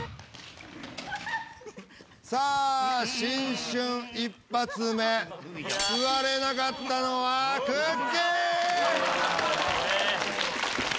さあ新春一発目座れなかったのはくっきー！。